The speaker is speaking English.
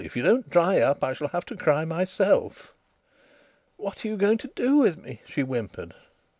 "If you don't dry up, I shall have to cry myself." "What are you going to do with me?" she whimpered.